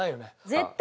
絶対。